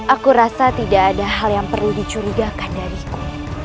aku rasa tidak ada hal yang perlu dicurigakan dariku